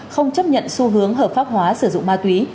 không chấp nhận xu hướng hợp pháp hóa sử dụng ma túy